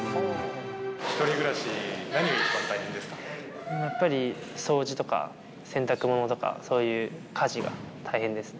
１人暮らし、何が一番大変でやっぱり、掃除とか、洗濯物とか、そういう家事が大変ですね。